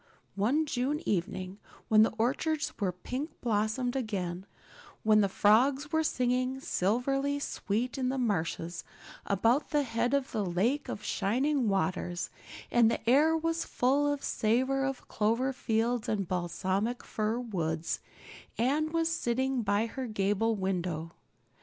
One June evening, when the orchards were pink blossomed again, when the frogs were singing silverly sweet in the marshes about the head of the Lake of Shining Waters, and the air was full of the savor of clover fields and balsamic fir woods, Anne was sitting by her gable window.